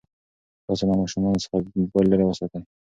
تاسو له ماشومانو څخه موبایل لرې وساتئ.